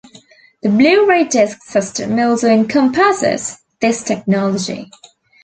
The Blu-ray disc system also encompasses this technology.